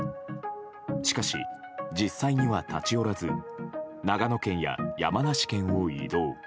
しかし、実際には立ち寄らず長野県や山梨県を移動。